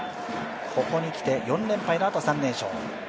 ここに来て、４連敗のあと、３連勝。